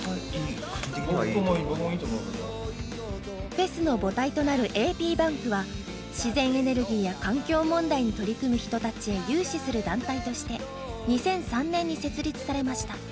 フェスの母体となるａｐｂａｎｋは自然エネルギーや環境問題に取り組む人たちへ融資する団体として２００３年に設立されました。